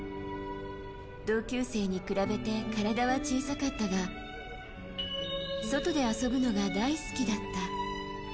同級生に比べて体は小さかったが外で遊ぶのが大好きだった。